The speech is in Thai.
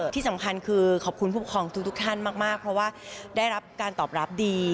ที่สำคัญคือขอบคุณผู้ปกครองทุกท่านมากเพราะว่าได้รับการตอบรับดี